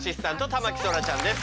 田牧そらちゃんです。